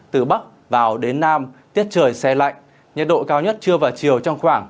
từ bắc vào đến nam tiết trời xe lạnh nhiệt độ cao nhất trưa và chiều trong khoảng